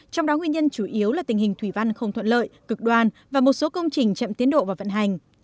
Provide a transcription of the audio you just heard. trong đó nguyên nhân chủ yếu là tình hình thủy văn không thuận lợi cực đoan và một số công trình chậm tiến độ và vận hành